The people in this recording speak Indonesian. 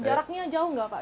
jaraknya jauh gak pak